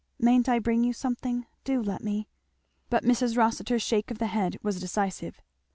"Mayn't I bring you something? do let me!" But Mrs. Rossitur's shake of the head was decisive.